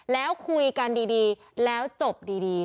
แล้วคุยกันดีแล้วจบดี